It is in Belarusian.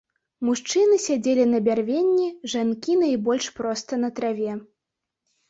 Мужчыны сядзелі на бярвенні, жанкі найбольш проста на траве.